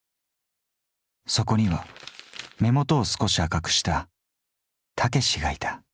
そこには目元を少し赤くしたタケシがいた。